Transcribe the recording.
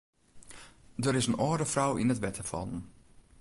Der is in âlde frou yn it wetter fallen.